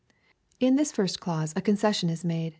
In this first clause a concession is made.